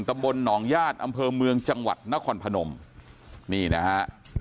ตำบลหนองญาติอำเภอเมืองจังหวัดนครพนมนี่นะฮะ